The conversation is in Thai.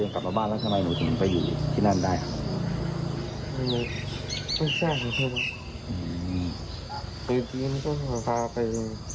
ครับครับไปจีนก็สามารถพาไป